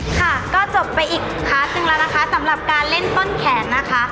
ค่ะก็จบไปอีกคาร์ดหนึ่งแล้วนะคะสำหรับการเล่นต้นแขนนะคะ